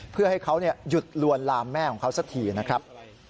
เพื่อให้เขาหยุดลวนลามแม่ของเขาสักทีนะครับ